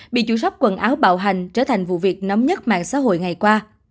bị chủ sóc quần áo bạo hành trở thành vụ việc nóng nhất mạng xã hội ngày qua